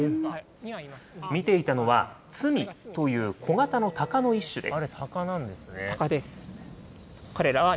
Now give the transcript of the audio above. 見ていたのは、ツミという小型のタカの一種です。